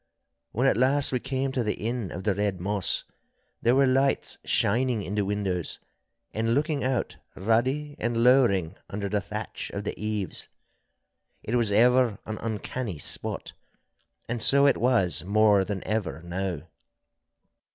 When at last we came to the Inn of the Red Moss, there were lights shining in the windows, and looking out ruddy and lowering under the thatch of the eaves. It was ever an uncanny spot, and so it was more than ever now.